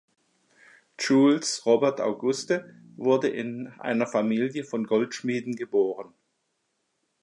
Jules Robert Auguste wurde in einer Familie von Goldschmieden geboren.